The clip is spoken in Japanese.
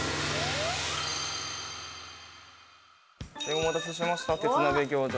お待たせしました鉄鍋餃子です。